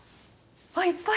あっいっぱい。